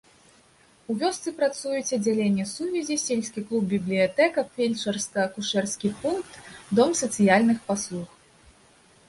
У вёсцы працуюць аддзяленне сувязі, сельскі клуб-бібліятэка, фельчарска-акушэрскі пункт, дом сацыяльных паслуг.